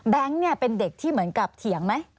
แบงค์เนี่ยเป็นเด็กที่เหมือนกับเถียงไหม